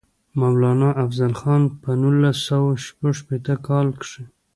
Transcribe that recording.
مولانا افضل خان پۀ نولس سوه شپږيشتم کال کښې